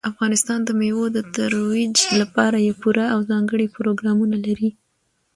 افغانستان د مېوو د ترویج لپاره پوره او ځانګړي پروګرامونه لري.